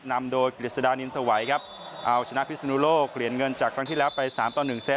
นำโดยกฤษฎานินสวัยครับเอาชนะพิศนุโลกเหรียญเงินจากครั้งที่แล้วไปสามต่อหนึ่งเซต